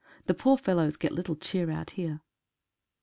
The poor fellows get little cheer out here.